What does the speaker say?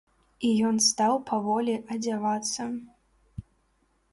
І ён стаў паволі адзявацца.